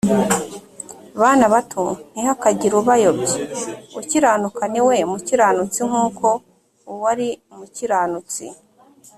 Bana bato, ntihakagire ubayobya. Ukiranuka ni we mukiranutsi nk’uko uwo ari umukiranutsi